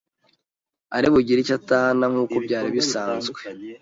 ari bugire icyo atahana nk’uko byari bisanzwe,